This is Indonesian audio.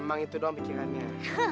emang itu doang pikirannya